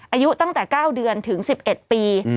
อายุตั้งแต่๙เดือนถึง๑๑ปี